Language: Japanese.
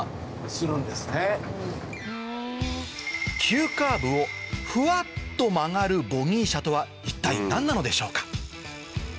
急カーブをふわっと曲がる一体何なのでしょうか？